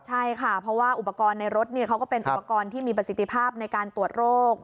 ใช่ค่ะเพราะว่าอุปกรณ์ในรถเขาก็เป็นอุปกรณ์ที่มีประสิทธิภาพในการตรวจโรค